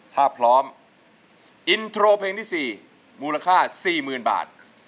ถ้าพร้อมอินโทรเพลงที่๔มูลค่า๔๐๐๐บาท